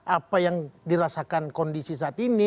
apa yang dirasakan kondisi saat ini